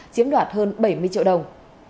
chiếm đoạt hơn bảy mươi triệu đồng